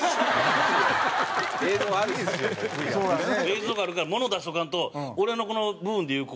映像があるからもの出しとかんと俺のこの部分でいう